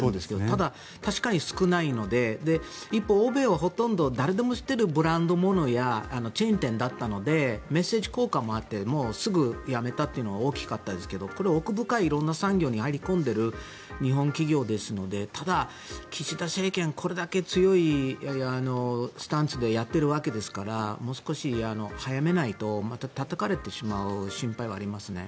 ただ、確かに少ないので一方、欧米はほとんど誰でも知っているブランド物やチェーン店だったのでメッセージ効果もあってすぐやめたというのは大きかったですけどこれ、奥深い色んな産業に入り込んでいる日本企業ですのでただ、岸田政権これだけ強いスタンスでやっているわけですからもう少し早めないとまたたたかれてしまう心配はありますね。